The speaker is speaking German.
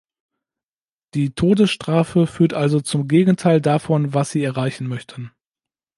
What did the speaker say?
Die Todesstrafe führt also zum Gegenteil davon, was sie erreichen möchte.